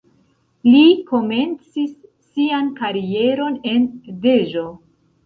Li komencis sian karieron en Deĵo.